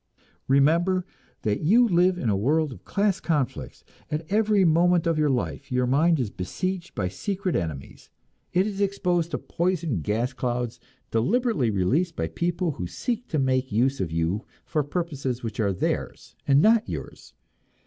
Remember that you live in a world of class conflicts; at every moment of your life your mind is besieged by secret enemies, it is exposed to poison gas clouds deliberately released by people who seek to make use of you for purposes which are theirs and not yours.